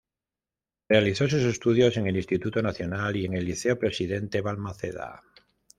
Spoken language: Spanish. Realizó sus estudios en el Instituto Nacional y en el Liceo Presidente Balmaceda.